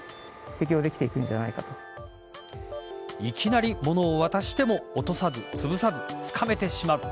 いきなり物を渡しても落とさずつぶさずつかめてしまう。